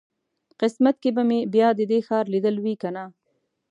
قسمت کې به مې بیا د دې ښار لیدل وي کنه.